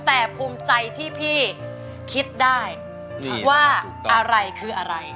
แต่ภูมิใจที่พี่คิดได้ว่าอะไรคืออะไร